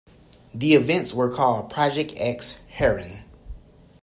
The events were called Project X Haren.